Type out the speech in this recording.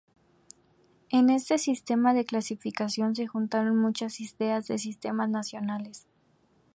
En este sistema de clasificación se juntaron muchas ideas de sistemas nacionales.